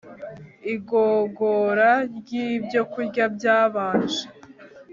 igogora ryibyokurya byabanje